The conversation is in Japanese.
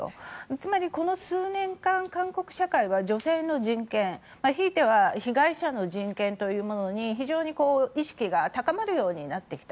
つまり、この数年間韓国社会は女性の人権、ひいては被害者の人権というものに非常に意識が高まるようになってきた。